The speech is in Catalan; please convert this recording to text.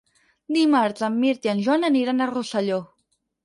Dimarts en Mirt i en Joan aniran a Rosselló.